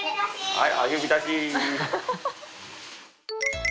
はい！